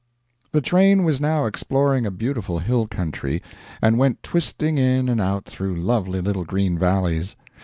The train was now exploring a beautiful hill country, and went twisting in and out through lovely little green valleys.